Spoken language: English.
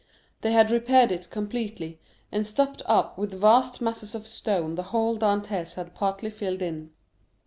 They had repaired it completely, and stopped up with vast masses of stone the hole Dantès had partly filled in.